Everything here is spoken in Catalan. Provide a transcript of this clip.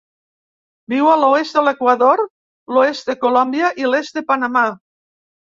Viu a l'oest de l'Equador, l'oest de Colòmbia i l'est de Panamà.